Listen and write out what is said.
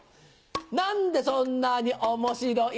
何でそんなに面白い？